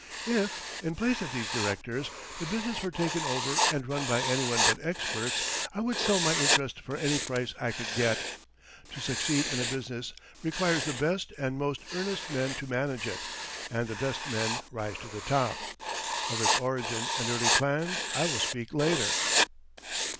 If, in place of these directors, the business were taken over and run by anyone but experts, I would sell my interest for any price I could get. To succeed in a business requires the best and most earnest men to manage it, and the best men rise to the top. Of its origin and early plans I will speak later.